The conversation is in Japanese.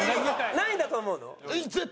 何位だと思うの？